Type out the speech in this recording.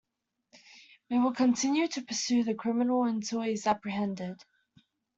We will continue to pursue the criminal until he is apprehended.